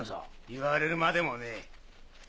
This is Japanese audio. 言われるまでもねえ。